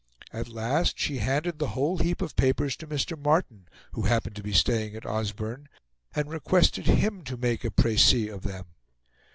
At last she handed the whole heap of papers to Mr. Martin, who happened to be staying at Osborne, and requested him to make a precis of them.